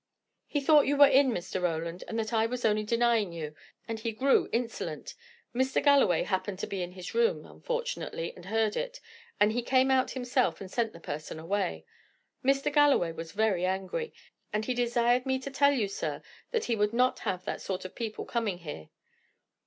"He thought you were in, Mr. Roland, and that I was only denying you, and he grew insolent. Mr. Galloway happened to be in his room, unfortunately, and heard it, and he came out himself, and sent the person away. Mr. Galloway was very angry, and he desired me to tell you, sir, that he would not have that sort of people coming here."